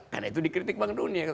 karena itu dikritik bank dunia